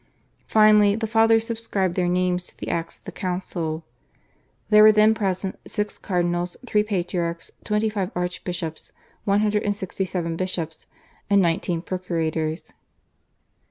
Finally the Fathers subscribed their names to the acts of the council. There were then present six cardinals, three patriarchs, twenty five archbishops, one hundred and sixty seven bishops, and nineteen procurators.